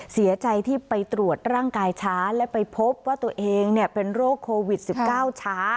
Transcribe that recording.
เสียใจที่ไปตรวจร่างกายช้าและไปพบว่าตัวเองเป็นโรคโควิด๑๙ช้า